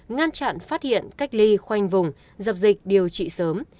ngăn chặn phát hiện cách ly khoanh vùng dập dịch điều trị sớm